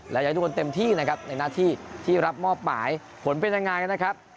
และอยากให้ทุกคนเต็มที่นะครับในหน้าที่ที่รับมอบหมายผลเป็นยังไงนะครับ